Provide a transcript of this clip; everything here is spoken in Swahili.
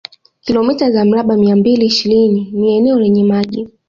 Kilomita za mraba mia mbili ishirini ni eneo lenye maji